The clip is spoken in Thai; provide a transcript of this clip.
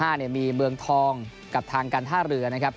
มีเมืองทองกับทางการท่าเรือนะครับ